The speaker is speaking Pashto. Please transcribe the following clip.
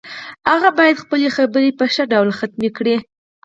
هغه باید خپلې خبرې په ښه ډول ختمې کړي